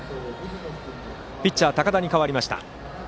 ピッチャーは高田に代わりました。